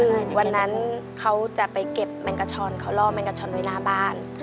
คือวันนั้นเขาจะไปเก็บแมงกระชอนเขาล่อแมงกระชอนไว้หน้าบ้าน